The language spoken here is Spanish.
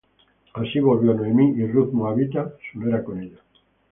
Así volvió Noemi y Ruth Moabita su nuera con ella.